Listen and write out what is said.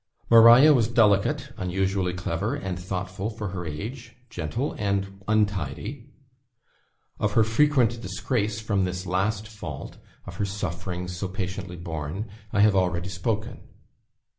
Maria was delicate, unusually clever and thoughtful for her age, gentle, and untidy. Of her frequent disgrace from this last fault of her sufferings, so patiently borne I have already spoken.